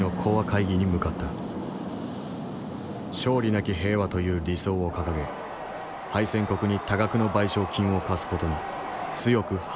なき平和という理想を掲げ敗戦国に多額の賠償金を課す事に強く反対していた。